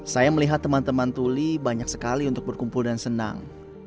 saya melihat teman teman tuli banyak sekali untuk berkumpul dan senang